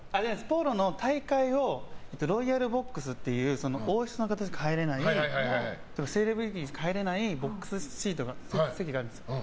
ポロの大会をロイヤルボックスという王室の方しか入れないセレブリティーの方しか入れないボックス席があるんですよ。